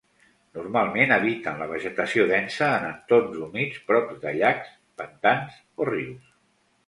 Normalment habiten la vegetació densa en entorns humits prop de llacs, pantans o rius.